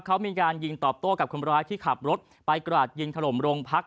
เขามีการยิงตอบโต้กับคนร้ายที่ขับรถไปกราดยิงถล่มโรงพัก